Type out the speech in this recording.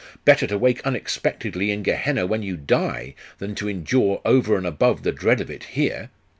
Better to wake unexpectedly in Gehenna when you die, than to endure over and above the dread of it here.